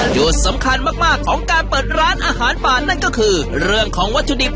สำคัญมากของการเปิดร้านอาหารป่านั่นก็คือเรื่องของวัตถุดิบ